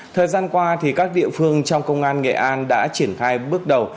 thời gian qua các địa phương trong công an nghệ an đã triển khai bước đầu